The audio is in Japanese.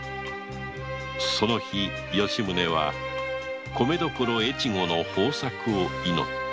その日吉宗は米どころ越後の豊作を祈った